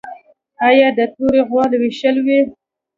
یا د تورې غوا لوشل وي